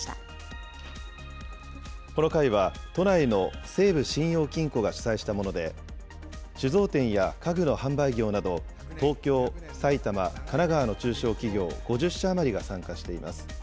この会は、都内の西武信用金庫が主催したもので、酒造店や家具の販売業など、東京、埼玉、神奈川の中小企業５０社余りが参加しています。